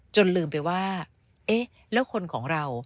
ลืมไปว่าเอ๊ะแล้วคนของเรา